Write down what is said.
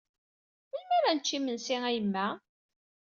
Melmi ara nečč imensi a yemma?